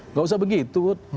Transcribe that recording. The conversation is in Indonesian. nggak usah begitu